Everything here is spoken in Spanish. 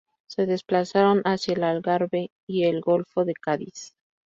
Se desplazaron hacia el Algarve y el golfo de Cádiz.